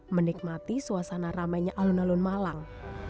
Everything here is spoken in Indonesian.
menikmati suasana ramainya alun alun malang